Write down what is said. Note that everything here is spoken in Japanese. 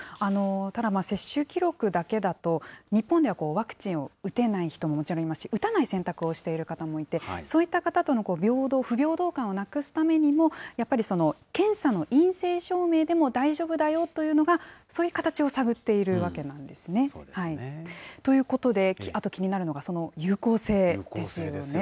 ただ、接種記録だけだと、日本ではワクチンを打てない人ももちろんいますし、打たない選択をしている方もいて、そういった方との平等、不平等感をなくすためにも、やっぱり検査の陰性証明でも大丈夫だよというのが、そういう形を探っているわけなんですね。ということで、あと気になるのが、その有効性ですよね。